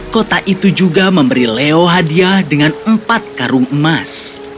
kota itu juga memberi leo hadiah dengan empat karung emas